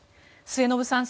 末延さん